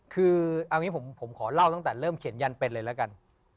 คือเอางี้ผมขอเล่าตั้งแต่เริ่มเขียนยันเป็นเลยแล้วกัน